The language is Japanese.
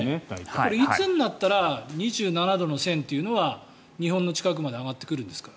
これはいつになったら２７度の線というのは日本の近くまで上がってくるんですか。